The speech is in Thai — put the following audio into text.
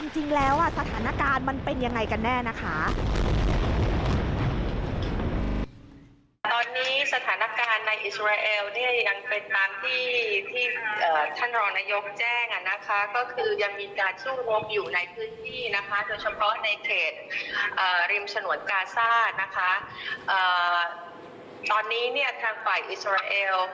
จริงแล้วสถานการณ์มันเป็นยังไงกันแน่นะคะ